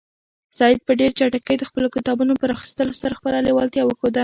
سعید په ډېرې چټکۍ د خپلو کتابونو په راخیستلو سره خپله لېوالتیا وښوده.